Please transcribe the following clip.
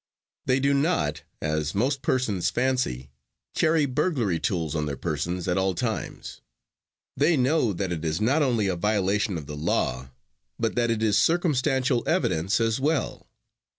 They do not, as most persons fancy, carry burglary tools on their persons at all times. They know that it is not only a violation of the law, but that it is circumstantial evidence as well.